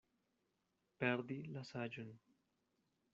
Perdi la saĝon.